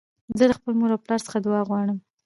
زه له خپل پلار او مور څخه دؤعا غواړم.